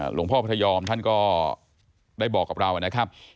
พระพยอมท่านก็ได้บอกกับเรานะครับ